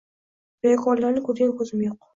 Riyokorlarni ko'rgani ko'zim yo'q.